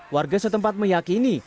warga setempat meyakini